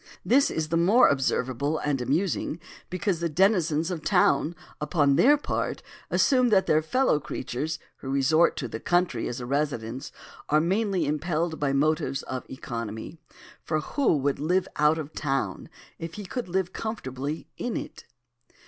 This is the more observable and amusing because the denizens of town upon their part assume that their fellow creatures who resort to the country as a residence are mainly impelled by motives of economy. For who would live out of town if he could live comfortably in it?